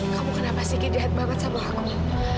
kamu kenapa sih gitu lihat banget sama aku